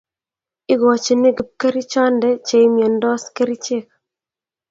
ikochini kipkerichonde che imyondos kerichek